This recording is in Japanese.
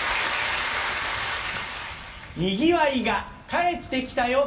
にぎわいが帰ってきたよ